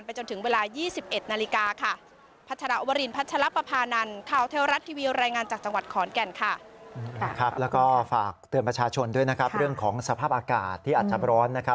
แล้วก็ฝากเตือนประชาชนด้วยนะครับเรื่องของสภาพอากาศที่อาจจะร้อนนะครับ